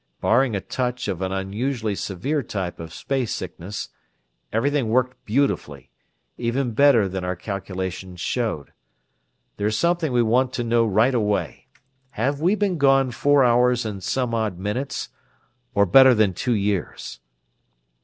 Barring a touch of an unusually severe type of space sickness, everything worked beautifully; even better than our calculations showed. There's something we want to know right away have we been gone four hours and some odd minutes, or better than two years?"